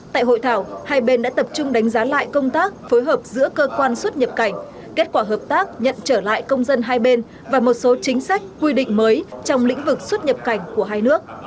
tại hội thảo hai bên đã tập trung đánh giá lại công tác phối hợp giữa cơ quan xuất nhập cảnh kết quả hợp tác nhận trở lại công dân hai bên và một số chính sách quy định mới trong lĩnh vực xuất nhập cảnh của hai nước